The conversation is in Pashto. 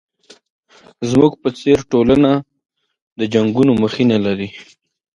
زموږ په څېر ټولنه د جنګونو مخینه لري.